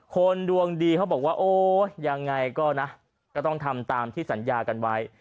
คนดวงดีเขาบอกว่าโอ๊ยยังไงก็นะก็ต้องทำตามที่สัญญากันไว้